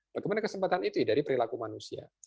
bagaimana kesempatan itu dari perilaku manusia